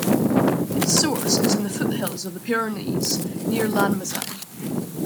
Its source is in the foothills of the Pyrenees, near Lannemezan.